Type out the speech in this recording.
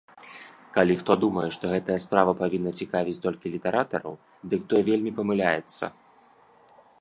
Калі хто думае, што гэтая справа павінна цікавіць толькі літаратараў, дык той вельмі памыляецца.